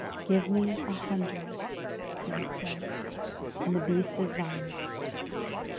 "Give me an hundred," he had said, "and the beast is thine."